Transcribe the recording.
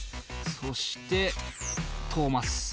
そしてトーマス。